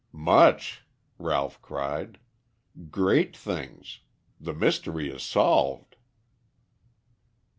"Much," Ralph cried. "Great things. The mystery is solved."